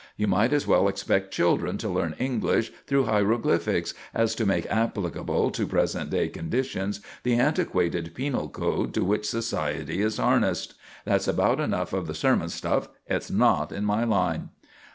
You might as well expect children to learn English through hieroglyphics as to make applicable to present day conditions the antiquated penal code to which society is harnessed. That's about enough of the sermon stuff. It's not in my line."